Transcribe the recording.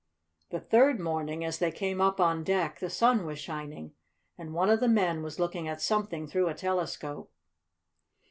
The third morning, as they came up on deck, the sun was shining, and one of the men was looking at something through a telescope.